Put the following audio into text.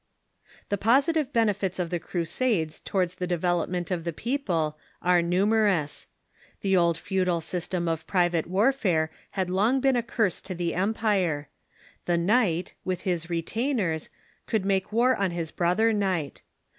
The positive benefits of the Crusades towards the develop ment of the people are numerous. The old feudal system of private warfare had lono been a curse to the empire. Benefits Fin i • i • i i •• i i i i • ihe knight, with liis retaniers, could make war on his brother knight.